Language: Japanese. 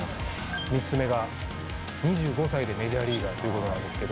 ３つ目が、２５歳でメジャーリーガーっていうことなんですけど。